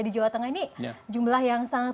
di jawa tengah ini jumlah yang sangat